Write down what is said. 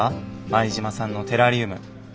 前島さんのテラリウム。